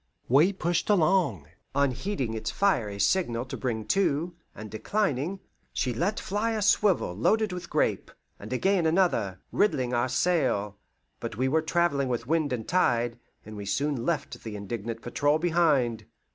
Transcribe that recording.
We pushed along, unheeding its fiery signal to bring to; and declining, she let fly a swivel loaded with grape, and again another, riddling our sail; but we were travelling with wind and tide, and we soon left the indignant patrol behind.